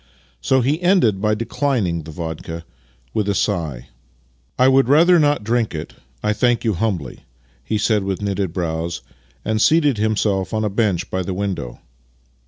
So he ended by declining the vodka with a sigh. " I would rather not drink it, I thank you humbly," he said with knitted brows, and seated himself on a bench by the window.